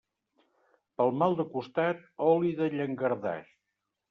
Pel mal de costat, oli de llangardaix.